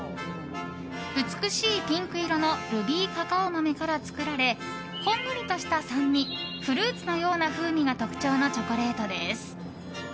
美しいピンク色のルビーカカオ豆から作られほんのりとした酸味フルーツのような風味が特徴のチョコレートです。